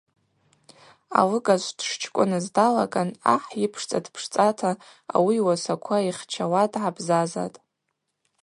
Алыгажв дшчкӏвыныз далаган ахӏ йыпшцӏа дпшцӏата, ауи йуасаква йхчауа дгӏабзазатӏ.